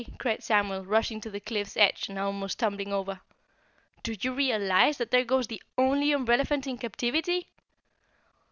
cried Samuel, rushing to the cliff's edge and almost tumbling over. "Do you realize that there goes the only umbrellaphant in captivity?"